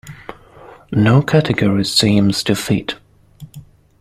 No category seems to fit.